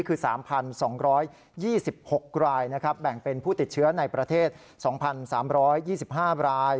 คือ๓๒๒๖รายนะครับแบ่งเป็นผู้ติดเชื้อในประเทศ๒๓๒๕ราย